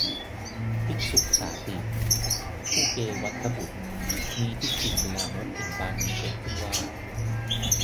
ภิกษุสาติ ผู้เกวัฏฏบุตร มีทิฏฐิอันลามกเห็นปานนี้เกิดขึ้นว่า